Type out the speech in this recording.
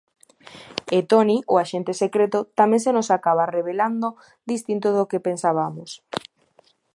E Toni, o axente secreto, tamén se nos acaba revelando distinto do que pensabamos.